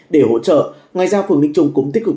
để hỗ trợ ngoài ra phường minh trung cũng tích cực